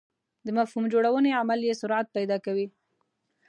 د مفهوم جوړونې عمل یې سرعت پیدا کوي.